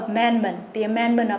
vì vậy để chuẩn bị cho